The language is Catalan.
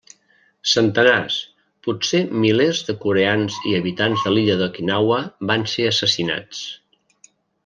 Centenars, potser milers de coreans i habitants de l'illa d'Okinawa van ser assassinats.